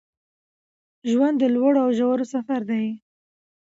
ژوند د لوړو او ژورو سفر دی